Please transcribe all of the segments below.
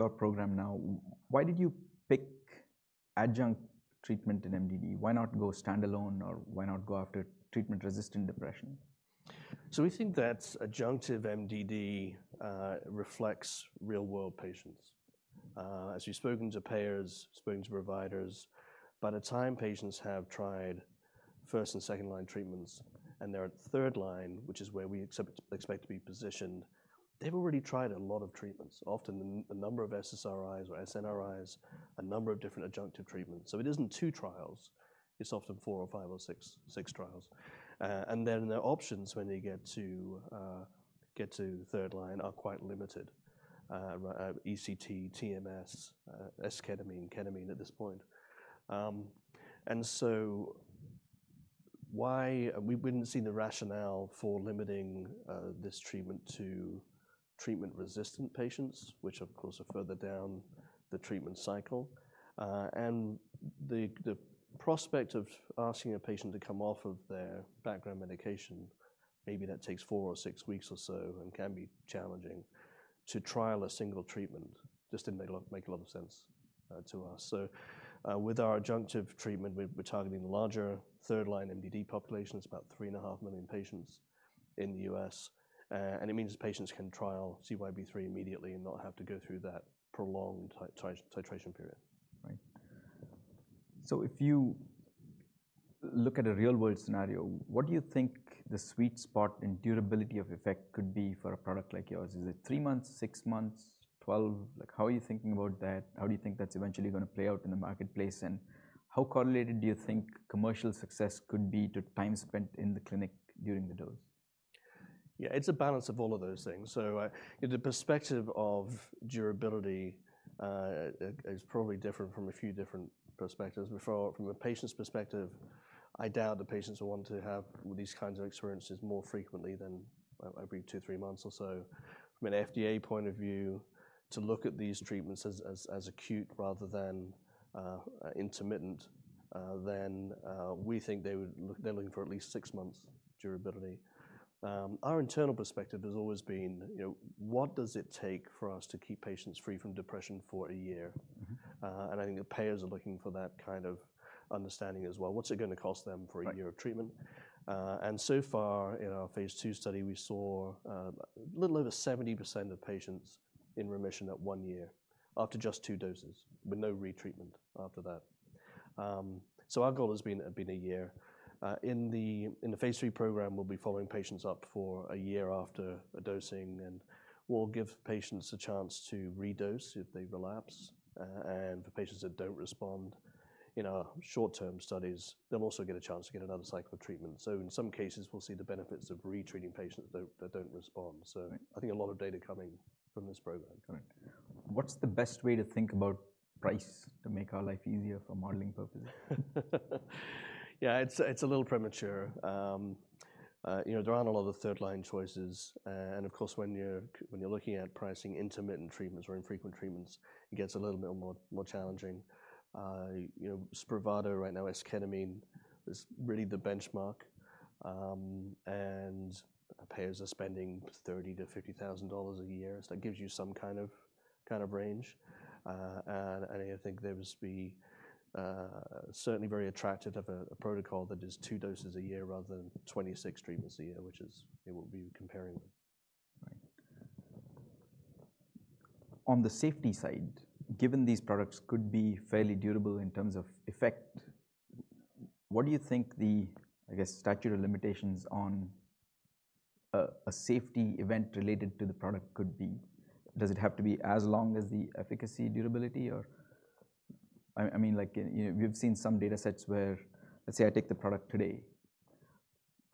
Our program now. Why did you pick adjunctive treatment in MDD? Why not go standalone, or why not go after treatment-resistant depression? We think that adjunctive MDD reflects real-world patients. As we've spoken to payers, spoken to providers, by the time patients have tried first and second-line treatments, and they're at third line, which is where we expect to be positioned, they've already tried a lot of treatments. Often the number of SSRIs or SNRIs, a number of different adjunctive treatments. It isn't two trials. It's often four or five or six trials. Their options when they get to third line are quite limited: ECT, TMS, esketamine, ketamine at this point. We wouldn't see the rationale for limiting this treatment to treatment-resistant patients, which of course are further down the treatment cycle. The prospect of asking a patient to come off of their background medication, maybe that takes four or six weeks or so and can be challenging to trial a single treatment, just didn't make a lot of sense to us. With our adjunctive treatment, we're targeting larger third-line MDD populations, about 3.5 million patients in the U.S., and it means the patients can trial CYB003 immediately and not have to go through that prolonged titration period. If you look at a real-world scenario, what do you think the sweet spot in durability of effect could be for a product like yours? Is it three months, six months, 12? How are you thinking about that? How do you think that's eventually going to play out in the marketplace? How correlated do you think commercial success could be to time spent in the clinic during the dose? Yeah, it's a balance of all of those things. The perspective of durability is probably different from a few different perspectives. From a patient's perspective, I doubt the patients will want to have these kinds of experiences more frequently than every two, three months or so. From an FDA point of view, to look at these treatments as acute rather than intermittent, we think they're looking for at least six months durability. Our internal perspective has always been, you know, what does it take for us to keep patients free from depression for a year? I think the payers are looking for that kind of understanding as well. What's it going to cost them for a year of treatment? So far in our Phase II study, we saw a little over 70% of patients in remission at one year after just two doses with no retreatment after that. Our goal has been a year. In the Phase III program, we'll be following patients up for a year after dosing and we'll give patients a chance to redose if they relapse. For patients that don't respond in our short-term studies, they'll also get a chance to get another cycle of treatment. In some cases, we'll see the benefits of retreating patients that don't respond. I think a lot of data coming from this program. What's the best way to think about price to make our life easier for modeling purposes? Yeah, it's a little premature. You know, there aren't a lot of third-line choices. Of course, when you're looking at pricing intermittent treatments or infrequent treatments, it gets a little bit more challenging. Spravato right now, esketamine, is really the benchmark. Payers are spending $30,000-$50,000 a year. That gives you some kind of range. I think they would be certainly very attractive of a protocol that is two doses a year rather than 26 treatments a year, which is what we're comparing. On the safety side, given these products could be fairly durable in terms of effect, what do you think the, I guess, statute of limitations on a safety event related to the product could be? Does it have to be as long as the efficacy, durability, or, I mean, like, you know, we've seen some data sets where, let's say I take the product today,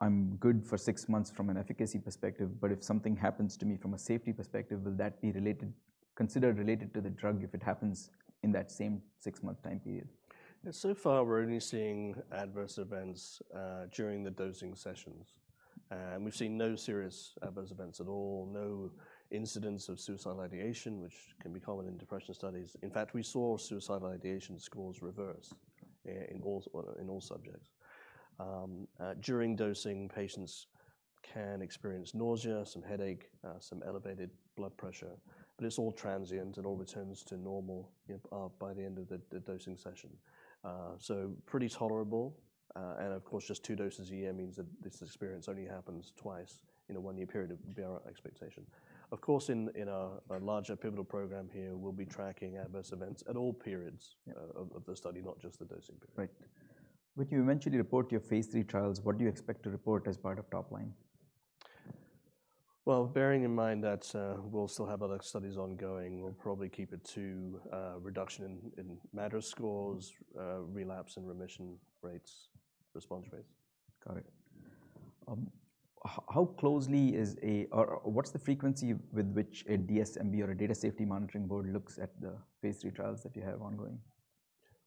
I'm good for six months from an efficacy perspective, but if something happens to me from a safety perspective, will that be considered related to the drug if it happens in that same six-month time period? We are only seeing adverse events during the dosing sessions. We've seen no serious adverse events at all, no incidents of suicidal ideation, which can be common in depression studies. In fact, we saw suicidal ideation scores reverse in all subjects. During dosing, patients can experience nausea, some headache, some elevated blood pressure, but it's all transient. It all returns to normal by the end of the dosing session. Pretty tolerable. Just two doses a year means that this experience only happens twice in a one-year period would be our expectation. In our larger pivotal program here, we'll be tracking adverse events at all periods of the study, not just the dosing. Right. Would you eventually report to your Phase III trials? What do you expect to report as part of top line? Bearing in mind that we'll still have other studies ongoing, we'll probably keep it to reduction in MADRS scores, relapse and remission rates, response rates. Got it. How closely is a, or what's the frequency with which a DSMB or a data safety monitoring board looks at the Phase III trials that you have ongoing?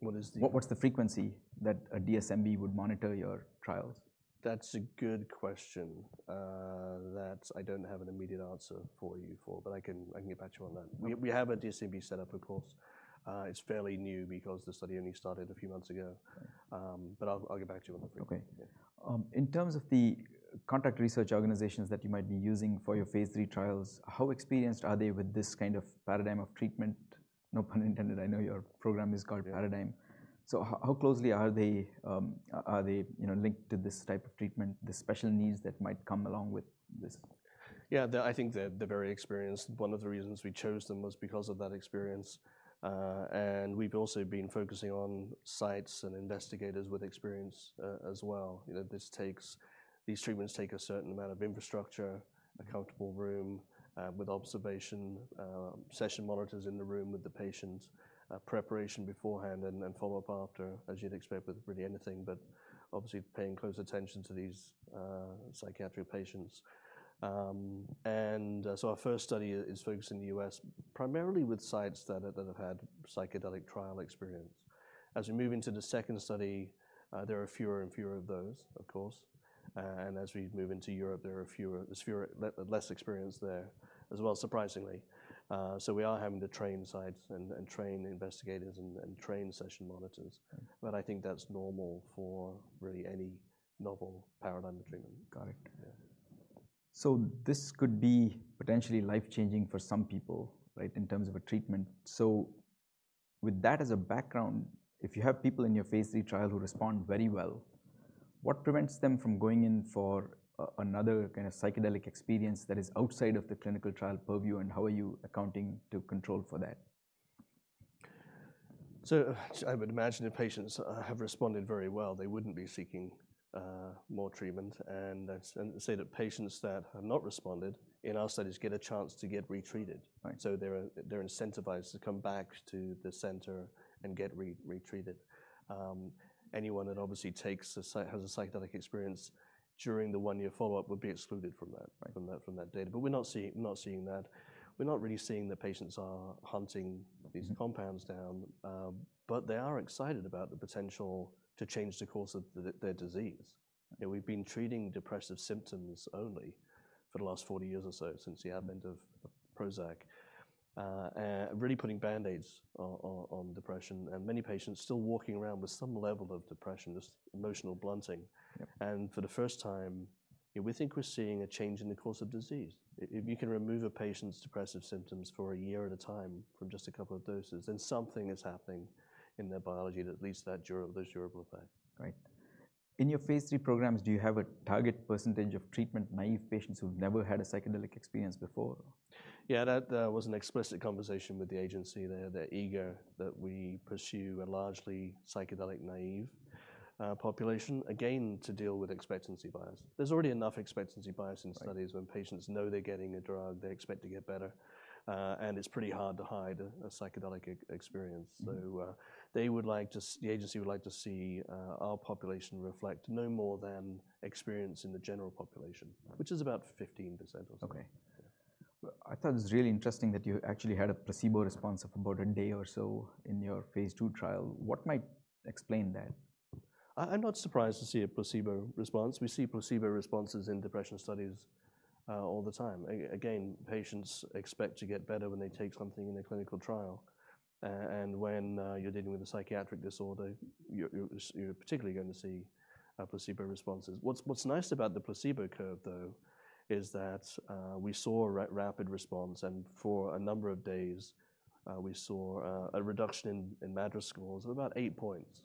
What's the frequency that a DSMB would monitor your trials? That's a good question that I don't have an immediate answer for you, but I can get back to you on that. We have a DSMB setup report. It's fairly new because the study only started a few months ago. I'll get back to you on that. Okay. In terms of the contract research organizations that you might be using for your phase III trials, how experienced are they with this kind of paradigm of treatment? No pun intended. I know your program is called Paradigm. How closely are they linked to this type of treatment, the special needs that might come along with this? Yeah, I think they're very experienced. One of the reasons we chose them was because of that experience. We've also been focusing on sites and investigators with experience as well. These treatments take a certain amount of infrastructure, accountable room with observation, session monitors in the room with the patients, preparation beforehand and follow-up after, as you'd expect with really anything, obviously paying close attention to these psychiatric patients. Our first study is focused in the U.S., primarily with sites that have had psychedelic trial experience. As we move into the second study, there are fewer and fewer of those, of course. As we move into Europe, there's less experience there as well, surprisingly. We are having to train sites and train investigators and train session monitors. I think that's normal for really any novel paradigm of treatment. Got it. This could be potentially life-changing for some people, right, in terms of a treatment. With that as a background, if you have people in your phase III trial who respond very well, what prevents them from going in for another kind of psychedelic experience that is outside of the clinical trial purview? How are you accounting to control for that? I would imagine if patients have responded very well, they wouldn't be seeking more treatment. I'd say that patients that have not responded in our studies get a chance to get retreated. They're incentivized to come back to the center and get retreated. Anyone that obviously has a psychedelic experience during the one-year follow-up would be excluded from that data. We're not seeing that. We're not really seeing that patients are hunting these compounds down. They are excited about the potential to change the course of their disease. We've been treating depressive symptoms only for the last 40 years or so since the advent of Prozac, really putting Band-Aids on depression. Many patients are still walking around with some level of depression, this emotional blunting. For the first time, we think we're seeing a change in the course of disease. If you can remove a patient's depressive symptoms for a year at a time from just a couple of doses, then something is happening in their biology that leads to that durable effect. Right. In your Phase III programs, do you have a target % of treatment-naive patients who've never had a psychedelic experience before? Yeah, that was an explicit conversation with the agency. They're eager that we pursue a largely psychedelic-naive population, again, to deal with expectancy bias. There's already enough expectancy bias in studies when patients know they're getting a drug, they expect to get better. It's pretty hard to hide a psychedelic experience. The agency would like to see our population reflect no more than experience in the general population, which is about 15% or so. Okay. I thought it was really interesting that you actually had a placebo response of about a day or so in your Phase II trial. What might explain that? I'm not surprised to see a placebo response. We see placebo responses in depression studies all the time. Patients expect to get better when they take something in a clinical trial. When you're dealing with a psychiatric disorder, you're particularly going to see placebo responses. What's nice about the placebo curve, though, is that we saw a rapid response. For a number of days, we saw a reduction in MADRS scores of about eight points,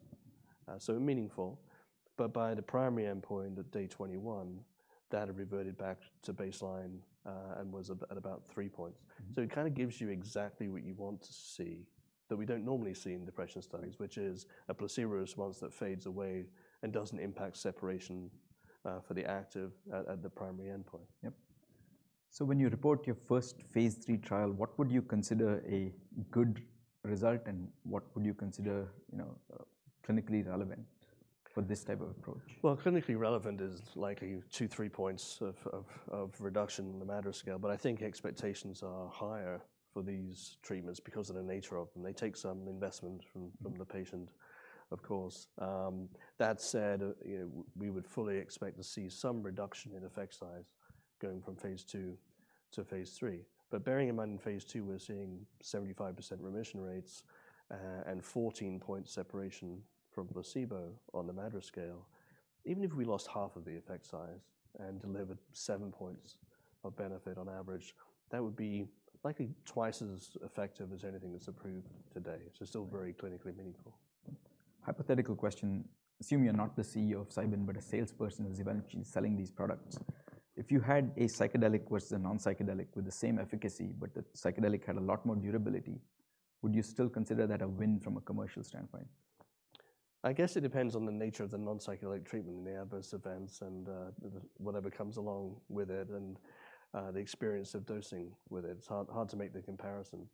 so meaningful. By the primary endpoint at day 21, that had reverted back to baseline and was at about three points. It kind of gives you exactly what you want to see that we don't normally see in depression studies, which is a placebo response that fades away and doesn't impact separation for the active at the primary endpoint. When you report your first Phase III trial, what would you consider a good result and what would you consider clinically relevant for this type of approach? Clinically relevant is likely two, three points of reduction in the MADRS scale. I think expectations are higher for these treatments because of the nature of them. They take some investment from the patient, of course. That said, we would fully expect to see some reduction in effect size going from phase II to phase III. Bearing in mind in phase II, we're seeing 75% remission rates and 14 points separation from placebo on the MADRS scale. Even if we lost half of the effect size and delivered seven points of benefit on average, that would be likely twice as effective as anything that's approved today. Still very clinically meaningful. Hypothetical question, assuming you're not the CEO of Cybin, but a salesperson who's eventually selling these products. If you had a psychedelic versus a non-psychedelic with the same efficacy, but the psychedelic had a lot more durability, would you still consider that a win from a commercial standpoint? I guess it depends on the nature of the non-psychedelic treatment, the adverse events, and whatever comes along with it, and the experience of dosing with it. It's hard to make the comparison.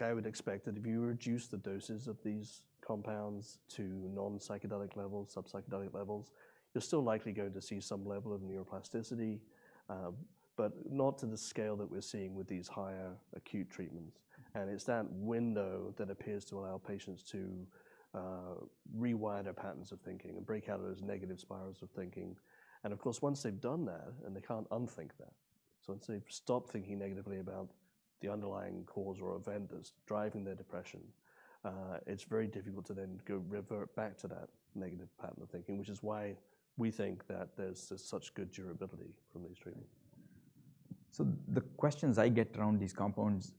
I would expect that if you reduce the doses of these compounds to non-psychedelic levels, sub-psychedelic levels, you're still likely going to see some level of neuroplasticity, but not to the scale that we're seeing with these higher acute treatments. It's that window that appears to allow patients to rewire their patterns of thinking and break out of those negative spirals of thinking. Once they've done that, they can't unthink that, so once they've stopped thinking negatively about the underlying cause or event that's driving their depression, it's very difficult to then revert back to that negative pattern of thinking, which is why we think that there's just such good durability from these treatments. The questions I get around these compounds,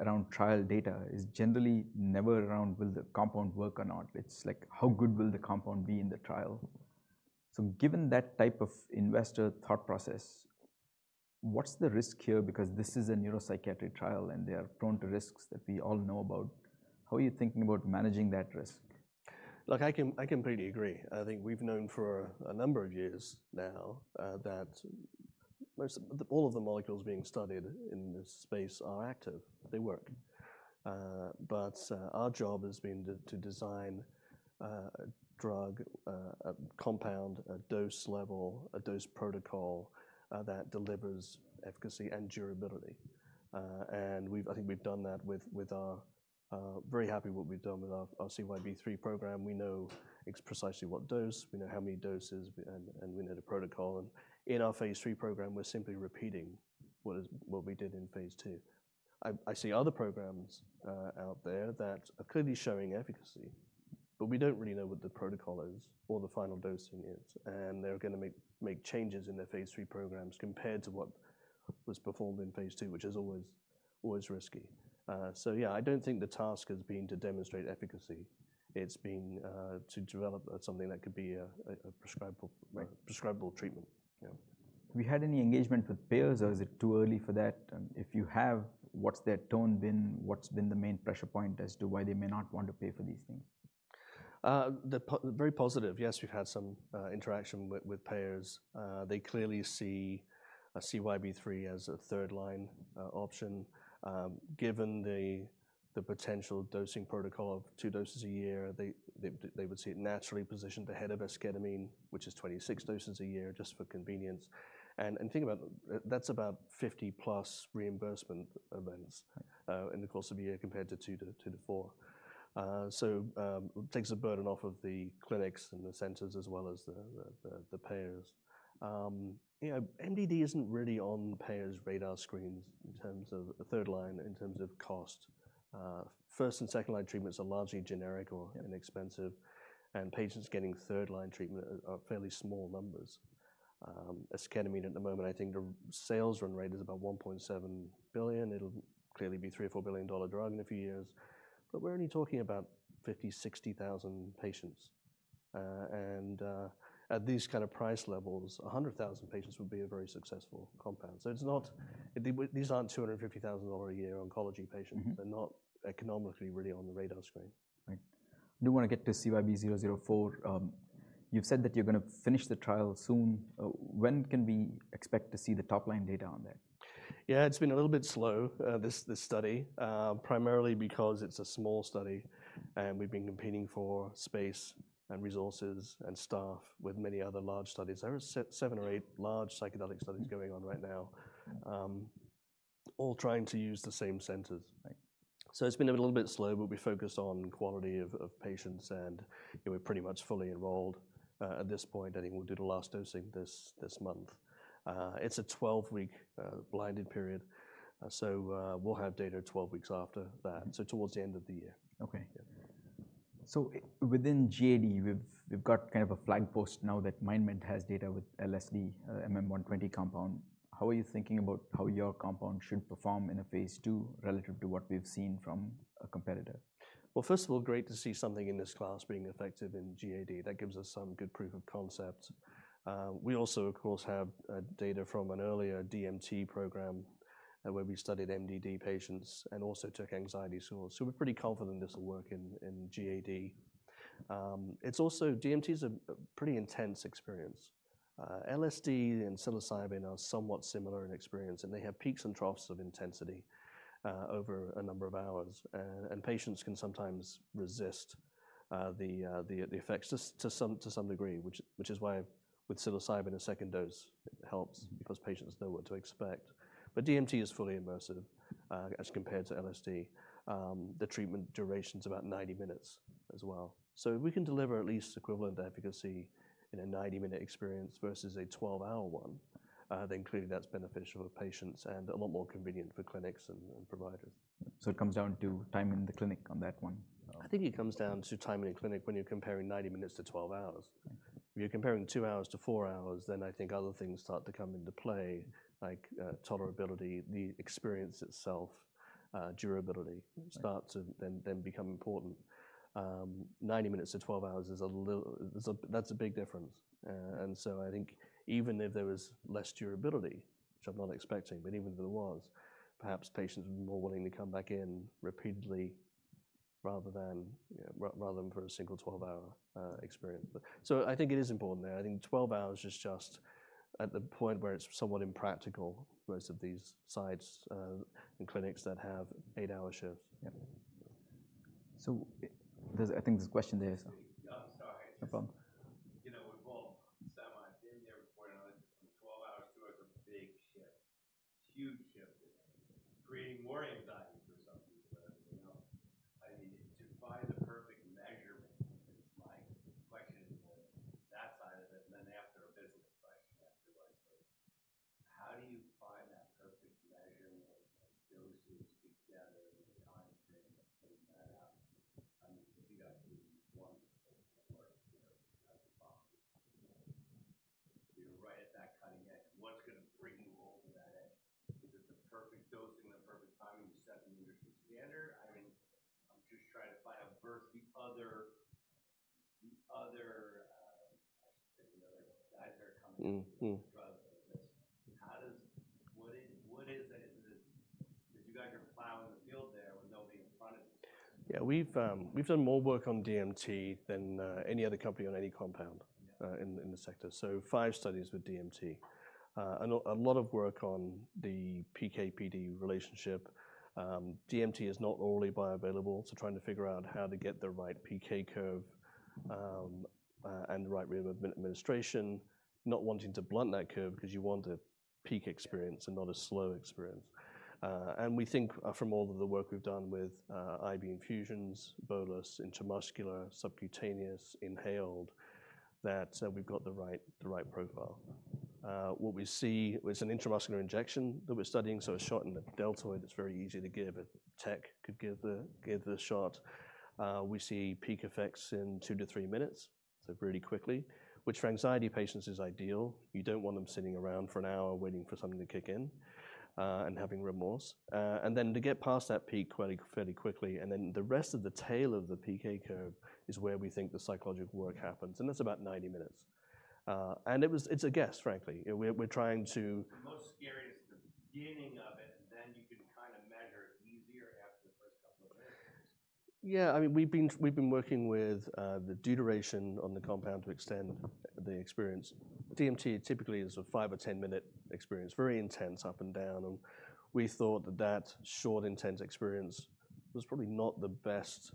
around trial data, are generally never around will the compound work or not. It's like how good will the compound be in the trial? Given that type of investor thought process, what's the risk here? This is a neuropsychiatric trial and they are prone to risks that we all know about. How are you thinking about managing that risk? Look, I can greatly agree. I think we've known for a number of years now that all of the molecules being studied in this space are active. They work. Our job has been to design a drug, a compound, a dose level, a dose protocol that delivers efficacy and durability. I think we've done that with our, very happy with what we've done with our CYB003 program. We know exactly what dose, we know how many doses, and we know the protocol. In our phase III program, we're simply repeating what we did in phase II. I see other programs out there that are clearly showing efficacy, but we don't really know what the protocol is or the final dosing is. They're going to make changes in their phase III programs compared to what was performed in phase II, which is always risky. I don't think the task has been to demonstrate efficacy. It's been to develop something that could be a prescribable treatment. Have you had any engagement with payers or is it too early for that? If you have, what's their tone been? What's been the main pressure point as to why they may not want to pay for these things? Very positive. Yes, we've had some interaction with payers. They clearly see CYB003 as a third-line option. Given the potential dosing protocol of two doses a year, they would see it naturally positioned ahead of esketamine, which is 26 doses a year just for convenience. Think about that's about 50-plus reimbursement events in the course of a year compared to two to four. It takes the burden off of the clinics and the centers as well as the payers. MDD isn't really on payers' radar screens in terms of a third line, in terms of cost. First and second-line treatments are largely generic or inexpensive, and patients getting third-line treatment are fairly small numbers. Esketamine at the moment, I think the sales run rate is about $1.7 billion. It will clearly be a $3 or $4 billion drug in a few years. We're only talking about 50,000, 60,000 patients, and at these kind of price levels, 100,000 patients would be a very successful compound. These aren't $250,000 a year oncology patients. They're not economically really on the radar screen. Right. I do want to get to CYB004. You've said that you're going to finish the trial soon. When can we expect to see the top-line data on that? Yeah, it's been a little bit slow, this study, primarily because it's a small study. We've been competing for space, resources, and staff with many other large studies. There are seven or eight large psychedelic studies going on right now, all trying to use the same centers. It's been a little bit slow, but we focus on quality of patients. We're pretty much fully enrolled at this point. I think we'll do the last dosing this month. It's a 12-week blinded period. We'll have data 12 weeks after that, towards the end of the year. Okay. Within GAD, we've got kind of a flag post now that MindMed has data with LSD, MM120 compound. How are you thinking about how your compound should perform in a phase II relative to what we've seen from a competitor? First of all, great to see something in this class being effective in GAD. That gives us some good proof of concept. We also, of course, have data from an earlier DMT program where we studied MDD patients and also took anxiety scores. We're pretty confident this will work in GAD. It's also, DMT is a pretty intense experience. LSD and psilocybin are somewhat similar in experience, and they have peaks and troughs of intensity over a number of hours. Patients can sometimes resist the effects to some degree, which is why with psilocybin, a second dose helps because patients know what to expect. DMT is fully immersive as compared to LSD. The treatment duration is about 90 minutes as well. If we can deliver at least equivalent efficacy in a 90-minute experience versus a 12-hour one, then clearly that's beneficial for patients and a lot more convenient for clinics and providers. It comes down to time in the clinic on that one. I think it comes down to time in the clinic when you're comparing 90 minutes to 12 hours. If you're comparing 2 hours-4 hours, then I think other things start to come into play, like tolerability, the experience itself, durability starts to then become important. Ninety minutes to 12 hours, that's a big difference. I think even if there was less durability, which I'm not expecting, but even if there was, perhaps patients would be more willing to come back in repeatedly rather than for a single 12-hour experience. I think it is important there. I think 12 hours is just at the point where it's somewhat impractical, most of these sites and clinics that have eight-hour shifts. I think there's a question there, sir. No problem. It won't. Still not getting the importance of 12 hours to work. Big shift, huge shift in there, creating more anxiety for some. I mean, to find the perfect... How do you find that perfect measurement of doses together? You're right at that cutting edge. What's going to bring you over that? Is it the perfect dosing and the perfect timing? The second standard? I mean, just try to biodiversity? How does what is that? Is it that you got your cloud? Yeah, we've done more work on DMT than any other company on any compound in the sector. We've done five studies with DMT. A lot of work on the PK/PD relationship. DMT is not all the way bioavailable, so trying to figure out how to get the right PK curve and the right rhythm of administration, not wanting to blunt that curve because you want a peak experience and not a slow experience. We think from all of the work we've done with IV infusions, bolus, intramuscular, subcutaneous, inhaled, that we've got the right profile. What we see is an intramuscular injection that we're studying, so a shot in the deltoid. It's very easy to give. A tech could give the shot. We see peak effects in two to three minutes, so pretty quickly, which for anxiety patients is ideal. You don't want them sitting around for an hour waiting for something to kick in and having remorse. To get past that peak fairly quickly, the rest of the tail of the PK curve is where we think the psychological work happens, and that's about 90 minutes. It's a guess, frankly. We're trying to, I mean, we've been working with the duration on the compound to extend the experience. DMT typically is a five or ten-minute experience, very intense up and down. We thought that that short, intense experience was probably not the best,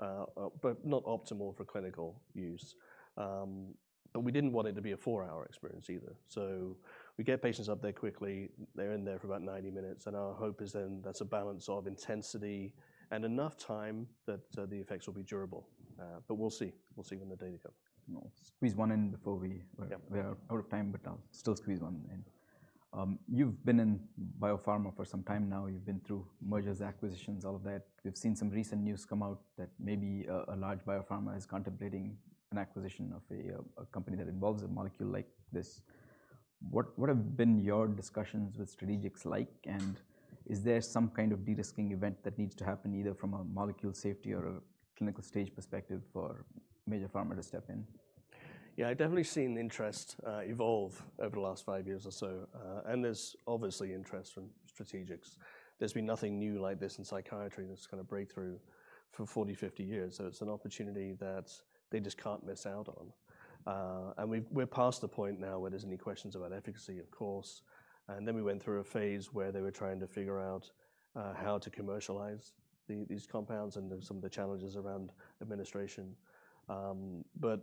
not optimal for clinical use. We didn't want it to be a four-hour experience either. We get patients up there quickly. They're in there for about 90 minutes, and our hope is then that's a balance of intensity and enough time that the effects will be durable. We'll see when the data come. I'll squeeze one in before we're out of time. You've been in biopharma for some time now. You've been through mergers, acquisitions, all of that. We've seen some recent news come out that maybe a large biopharma is contemplating an acquisition of a company that involves a molecule like this. What have been your discussions with Strategics like? Is there some kind of de-risking event that needs to happen either from a molecule safety or a clinical stage perspective for Major Pharma to step in? Yeah, I've definitely seen the interest evolve over the last five years or so. There's obviously interest from Strategics. There's been nothing new like this in psychiatry that's going to break through for 40, 50 years. It's an opportunity that they just can't miss out on. We're past the point now where there's any questions about efficacy, of course. We went through a phase where they were trying to figure out how to commercialize these compounds and some of the challenges around administration. The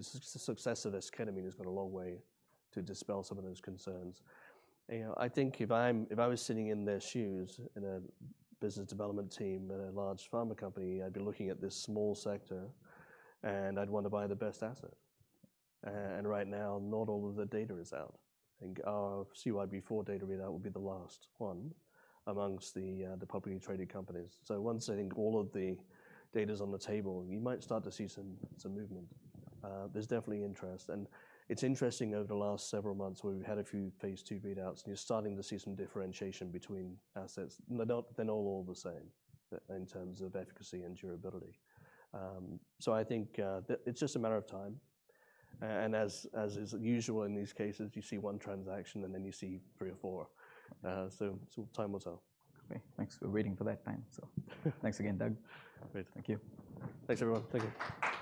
success of esketamine has gone a long way to dispel some of those concerns. I think if I was sitting in their shoes in a business development team at a large pharma company, I'd be looking at this small sector and I'd want to buy the best asset. Right now, not all of the data is out. I think our CYB004 data readout will be the last one amongst the publicly traded companies. Once all of the data is on the table, you might start to see some movement. There's definitely interest. It's interesting over the last several months where we've had a few Phase II readouts and you're starting to see some differentiation between assets, not all the same in terms of efficacy and durability. I think it's just a matter of time. As is usual in these cases, you see one transaction and then you see three or four. Time will tell. Great. Thanks for waiting for that time. Thanks again, Doug. Great. Thank you. Thanks, everyone. Take care. Thank you. Great.